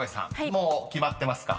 もう決まってますか？］